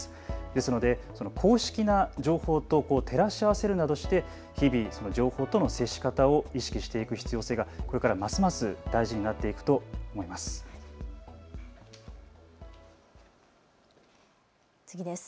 ですので公式な情報と照らし合わせるなどして日々、情報との接し方を意識していく必要性が、これからますます大事になっていくと思います。